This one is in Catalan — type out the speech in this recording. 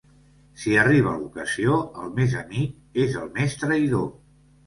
Si arriba l'ocasió, el més amic és el més traïdor.